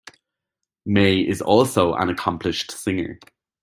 May is also an accomplished singer.